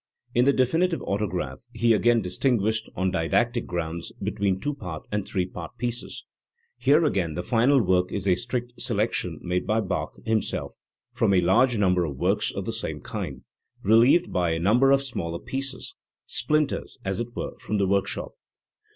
In the definitive autograph he again distinguished, on didactic grounds, between two part and three part pieces, Here again the final work is a strict selection made by Bach himself from a large number of works of the same kind, relieved by a number of smaller pieces, splinters, as it were, from the workshop.